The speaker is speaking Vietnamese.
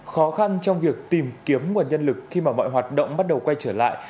khó khăn trong việc tìm kiếm nguồn nhân lực khi mà mọi hoạt động bắt đầu quay trở lại